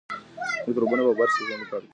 میکروبونه په برس کې ژوندي پاتې کېږي.